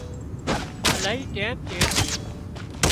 الاهي ٽيم چيڙ